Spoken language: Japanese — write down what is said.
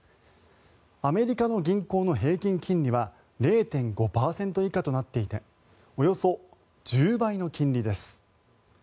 アメリカの銀行の平均金利は０．５％以下となっていておよそ１０倍の金利です。